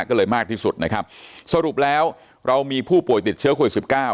ก็เลยมากที่สุดนะครับสรุปแล้วเรามีผู้ป่วยติดเชื้อโควิดสิบเก้า